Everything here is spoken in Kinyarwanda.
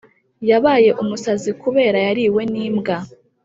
Yabaye umusazi kubera yariwe n’imbwa